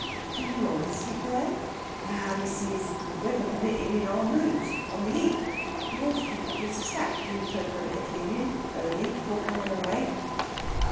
"Do you always sleep there?" "No, missis! Weather permitting, in our mooze on the 'eap. The 'orse keeper gives a sack in return for a bit of cleanin', early, before comin' away."